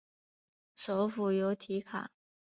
首府由提卡。